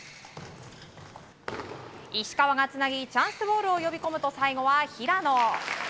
石川がつなぎチャンスボールを呼び込むと最後は平野。